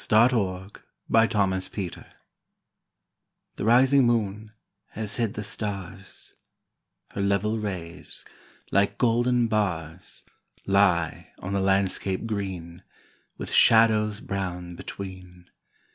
20 48 ENDMYION ENDYMION The rising moon has hid the stars ; Her level rays, like golden bars, Lie on the landscape green, With shadows brown between.